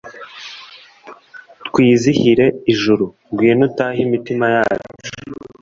twizihire ijuru, ngwino utahe imitima yacu